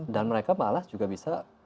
dan mereka malah juga bisa